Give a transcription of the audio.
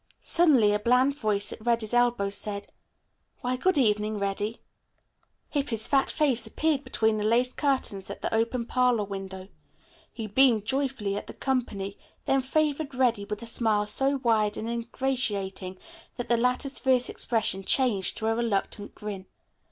Suddenly a bland voice at Reddy's elbow said, "Why, good evening, Reddy." Hippy's fat face appeared between the lace curtains at the open parlor window. He beamed joyfully at the company, then favored Reddy with a smile so wide and ingratiating that the latter's fierce expression changed to a reluctant grin.